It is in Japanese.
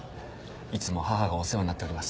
いつも母がお世話になっております。